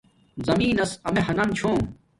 زمین نس امیے ہانم چھوم